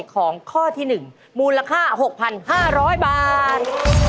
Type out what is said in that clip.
ถ่ายของข้อที่๑มูลค่า๖๕๐๐บาท